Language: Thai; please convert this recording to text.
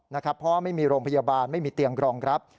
เพราะว่าไม่มีโรงพยาบาลไม่มีเตียงรองรับ